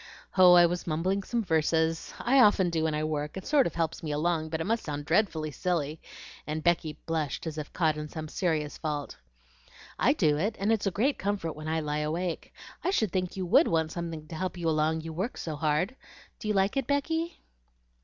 "Oh, I was mumbling some verses. I often do when I work, it sort of helps me along; but it must sound dreadfully silly," and Becky blushed as if caught in some serious fault. "I do it, and it's a great comfort when I lie awake. I should think you WOULD want something to help you along, you work so hard. Do you like it, Becky?"